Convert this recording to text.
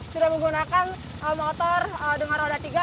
sudah menggunakan motor dengan roda tiga